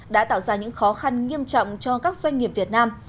đã tạo ra những khó khăn nghiêm trọng cho các doanh nghiệp việt nam